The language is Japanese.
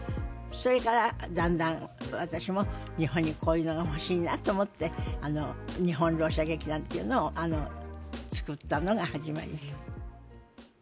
それからだんだん私も日本にこういうのが欲しいなと思って日本ろう者劇団というのを作ったのが始まりです。